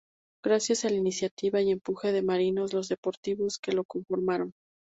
Gracias a la iniciativa y empuje de marinos los deportivos que lo conformaron.